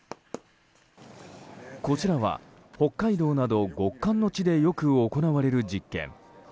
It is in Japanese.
こちらは北海道など極寒の地でよく行われる実験。